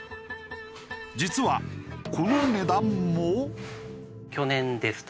実はこの値段も。